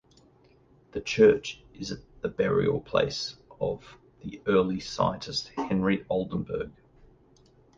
The church is the burial place of the early scientist Henry Oldenburg.